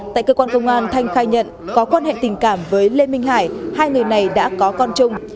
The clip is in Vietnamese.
tại cơ quan công an thanh khai nhận có quan hệ tình cảm với lê minh hải hai người này đã có con chung